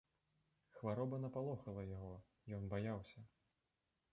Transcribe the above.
Хвароба напалохала яго, ён баяўся.